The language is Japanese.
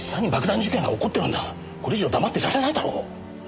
これ以上黙ってられないだろ！